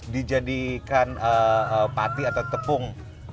dijadikan pati atau tepung